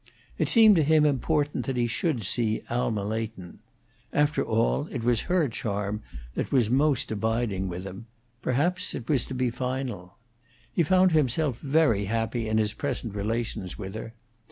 It seemed to him important that he should see Alma Leighton. After all, it was her charm that was most abiding with him; perhaps it was to be final. He found himself very happy in his present relations with her.